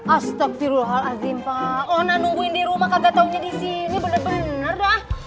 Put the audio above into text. astagfirullahaladzim pak ona nungguin di rumah kakak taunya disini bener bener dah